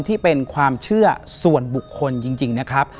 ที่เป็นความเชื่อส่วนบุคคลจริงนะครับ